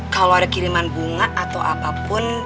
kalau ada kiriman bunga atau apapun